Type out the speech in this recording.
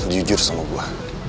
jujur sama gue